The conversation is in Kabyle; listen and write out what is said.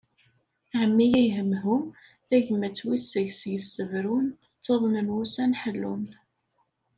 Ɛemmi ay hemhum, tagmat wi seg-s yessebrun, ttaḍnen wussan ḥellun.